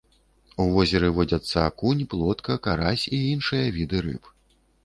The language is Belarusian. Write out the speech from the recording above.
У возеры водзяцца акунь, плотка, карась і іншыя віды рыб.